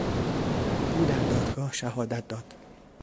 او در دادگاه شهادت داد.